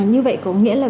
như vậy có nghĩa là